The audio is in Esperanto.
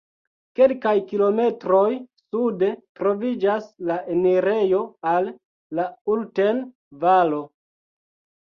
Kelkaj kilometroj sude troviĝas la enirejo al la Ulten-Valo.